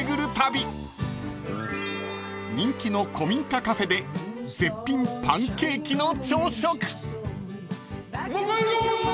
［人気の古民家カフェで絶品パンケーキの朝食］